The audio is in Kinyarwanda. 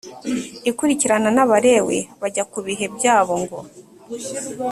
ikurikirana n abalewi bajya ku bihe byabo ngo